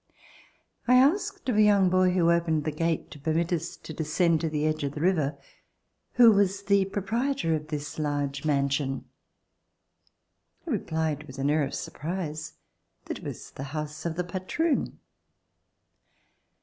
I asked of a young boy, who opened the gate to permit us to descend to the edge of the river, who was the proprie tor of this large mansion. He replied with an air of surprise that it was the house of the ''patroon."